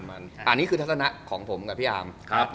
อันนี้คือทัศนะของผมกับพี่อาร์ม